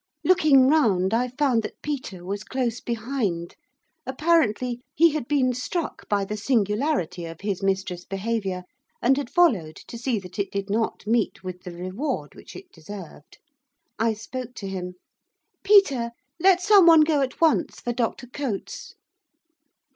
Looking round I found that Peter was close behind. Apparently he had been struck by the singularity of his mistress' behaviour, and had followed to see that it did not meet with the reward which it deserved. I spoke to him. 'Peter, let someone go at once for Dr Cotes!